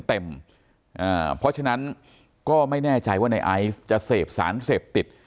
เพราะฉะนั้นก็ไม่แน่ใจว่าในไอซ์จะเสพสารเสพติด